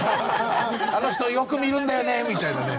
あの人よく見るんだよねみたいなね。